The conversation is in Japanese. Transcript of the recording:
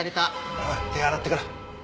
おい手洗ってから。